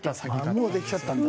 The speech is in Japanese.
もうできちゃったんだ。